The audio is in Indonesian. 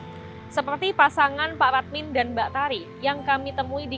kondisi ataupun rasa ibadah seperti pasangan pak radmin dan mbak tari yang kami temui di